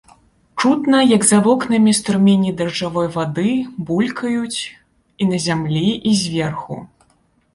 Чутна, як за вокнамі струмені дажджавой вады булькаюць і на зямлі і зверху.